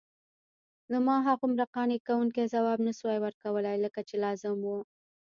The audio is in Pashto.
نو ما هغومره قانع کوونکی ځواب نسوای ورکولای لکه چې لازم وو.